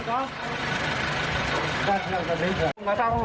โอ้โฮ